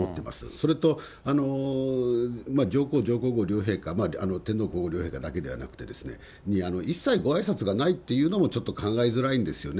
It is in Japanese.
それと、上皇、上皇后両陛下、天皇皇后両陛下だけではなくて、一切ごあいさつがないっていうのもちょっと考えづらいんですよね。